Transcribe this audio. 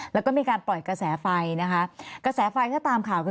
แล้วก็มีการปล่อยเกษรภัยนะคะเกษรภัยถ้าตามข่าวคือ